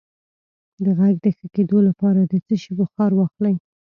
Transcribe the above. د غږ د ښه کیدو لپاره د څه شي بخار واخلئ؟